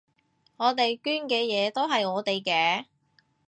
我哋捐嘅嘢都係我哋嘅